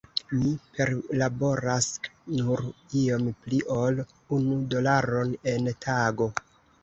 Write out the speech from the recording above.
Mi perlaboras nur iom pli ol unu dolaron en tago.